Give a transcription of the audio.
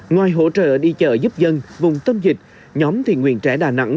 ngoài hỗ trợ đi chợ giúp dân vùng tâm dịch nhóm thiên nguyên trẻ đà nẵng